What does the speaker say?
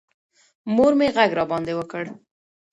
مور مې غږ راباندې وکړ.